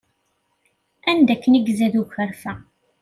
Anda akken i izad ukerfa.